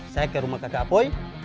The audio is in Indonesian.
saya ke rumah kakak poi